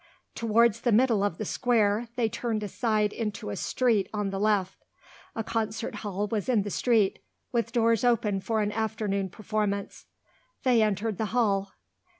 Towards the middle of the square, they turned aside into a street on the left. A concert hall was in the street with doors open for an afternoon performance. They entered the hall.